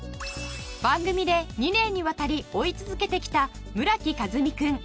番組で２年にわたり追い続けてきた村木風海君。